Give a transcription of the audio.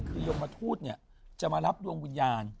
คือยมทูตเนี่ยจะมารับดวงวิญญาณ